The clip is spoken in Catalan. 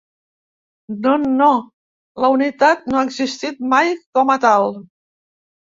No, no, la unitat no ha existit mai com a tal.